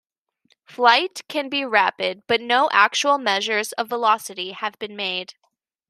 Flight can be rapid but no actual measures of velocity have been made.